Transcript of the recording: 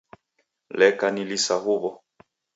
Leka nilisa huw'o.